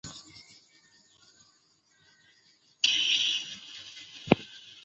柔毛马先蒿为列当科马先蒿属的植物。